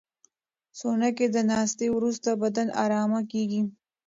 سونا کې د ناستې وروسته بدن ارامه کېږي.